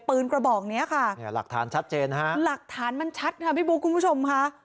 กระบอกเนี้ยค่ะเนี่ยหลักฐานชัดเจนนะฮะหลักฐานมันชัดค่ะพี่บุ๊คคุณผู้ชมค่ะ